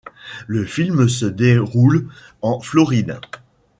Le film se déroule en Floride.